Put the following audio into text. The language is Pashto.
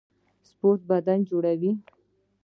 سپورټ بدن جوړوي